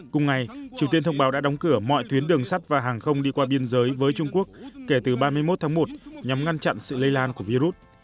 cùng ngày triều tiên thông báo đã đóng cửa mọi tuyến đường sắt và hàng không đi qua biên giới với trung quốc kể từ ba mươi một tháng một nhằm ngăn chặn sự lây lan của virus